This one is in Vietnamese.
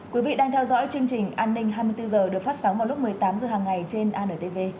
quý vị đang theo dõi chương trình an ninh hai mươi bốn h được phát sóng vào lúc một mươi tám h hàng ngày trên antv